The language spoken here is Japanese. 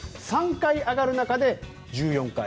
３回上がる中で１４回。